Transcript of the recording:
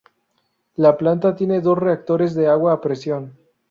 La planta tiene dos reactores de agua a presión.